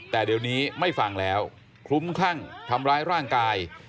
แต่เดี๋ยวนี้ไม่ฟังแล้วคลุ้มคลั่งทำร้ายร่างกาย